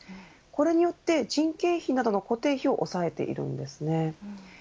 これによって人件費などの固定費を抑えているんです。